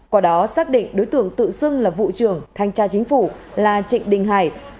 quả đó xác định đối tượng tự xưng là vụ trưởng thanh tra chính phủ là trịnh đình hải